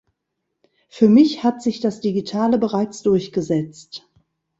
Für mich hat sich das Digitale bereits durchgesetzt.